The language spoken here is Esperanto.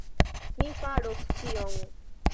Mi faros ĉion!